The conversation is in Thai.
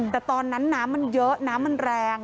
แต่ตอนนั้นน้ำมันเยอะน้ำมันแรง